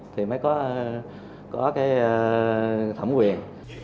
thì mới có cái thẩm quyền